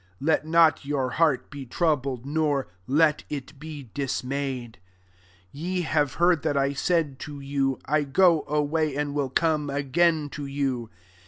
Let not your heart be troubled, nor lot it be dismayed. 28 « Ye have heard that I said to you, * I go away, and will come again to you.'